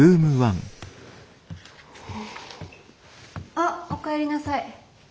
あっお帰りなさい。